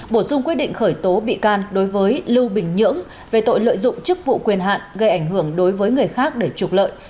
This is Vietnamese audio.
bổ sung quyết định khởi tố bị can đối với lưu bình nhưỡng về tội lợi dụng chức vụ quyền hạn gây ảnh hưởng đối với người khác để trục lợi